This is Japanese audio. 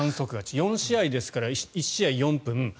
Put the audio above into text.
４試合ですから１試合、４分。